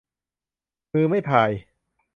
มือไม่พาย